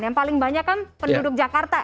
yang paling banyak kan penduduk jakarta